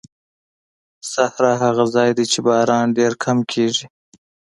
صحرا هغه ځای دی چې باران ډېر کم کېږي.